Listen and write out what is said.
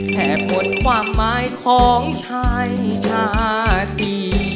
แค่ผลความหมายของชายชาติ